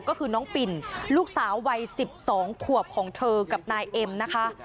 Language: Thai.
ก็คือน้องปิ่นลูกสาววัย๑๒ขวบของเธอกับนายเอ็มนะคะ